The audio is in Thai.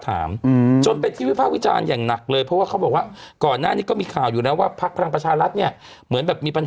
อะไรอย่างนี้ก็แล้วแต่